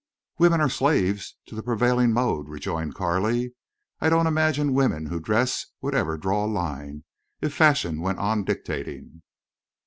"Women are slaves to the prevailing mode," rejoined Carley. "I don't imagine women who dress would ever draw a line, if fashion went on dictating."